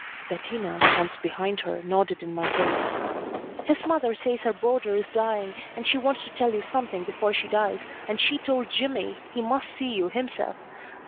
Bettina, hands behind her, nodded in my face. "His mother says her boarder is dying and she wants to tell you something before she dies, and she told Jimmy he must see you himself.